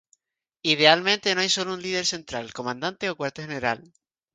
Idealmente, no hay un sólo líder central, comandante o cuartel general.